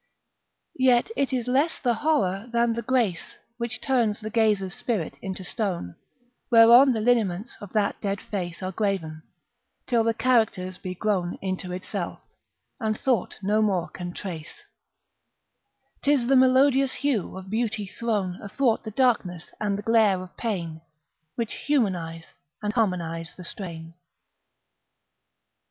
Yet it is less the horror than the grace Which turns the gazer's spirit into stone, Whereon the lineaments of that dead face Are graven, till the characters be grown Into itself, and thought no more can trace; ŌĆÖTis the melodious hue of beauty thrown Athwart the darkness and the glare of pain, Which humanize and harmonize the strain.